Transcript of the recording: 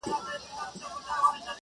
تر قیامته خو دي نه شم غولولای؛